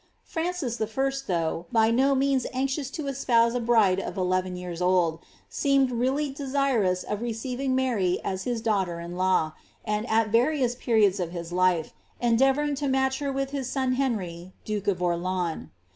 Francis I., ihougli by no means anxious to espouse a bride of eleven years old, seemed really desirous of receiving Mary as his daughier io law, and, at various periods of his life, endeavoured to match her viih his son Henry, duke of Orleans.